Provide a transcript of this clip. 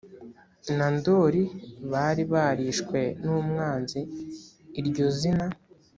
na ndori bari barishwe n umwanzi iryo zina